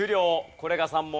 これが３問目。